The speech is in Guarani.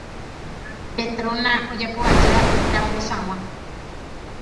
Petrona ojapo aja rambosag̃ua